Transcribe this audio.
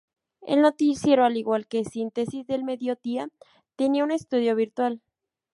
El noticiero, al igual que "Síntesis del mediodía" tenía un estudio virtual.